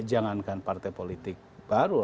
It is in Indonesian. jangan kan partai politik baru